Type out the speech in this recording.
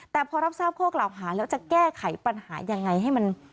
แต่พอรับทราบข้อกล่าวหาแล้วจะแก้ไขปัญหายังไงให้มัน